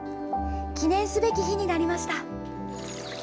記念すべき日になりました。